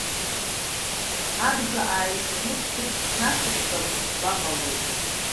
Абжа ааҩшаны ԥыҭк нацысҵар, хәба ҟалоит.